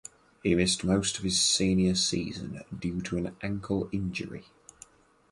He missed most of his senior season due to an ankle injury.